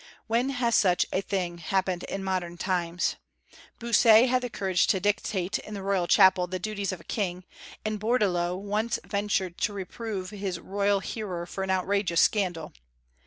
When has such a thing happened in modern times? Bossuet had the courage to dictate, in the royal chapel, the duties of a king, and Bourdaloue once ventured to reprove his royal hearer for an outrageous scandal.